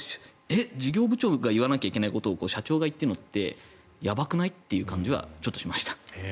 事業部長が言わなきゃいけないことを社長が言っているのってやばくない？っていう感じはちょっとしました。